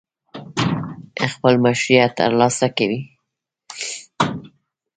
خپل مشروعیت ترلاسه کړي.